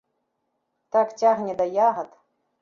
Так цягне да ягад.